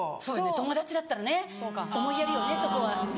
友達だったらね思いやるよねそこは。